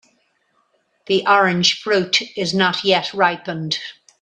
The orange fruit is not yet ripened.